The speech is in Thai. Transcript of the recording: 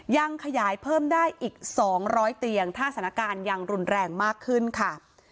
ยังขยายเพิ่มได้อีก๒๐๐เตียงถ้าสถานการณ์ยังรุนแรงมากขึ้นค่ะ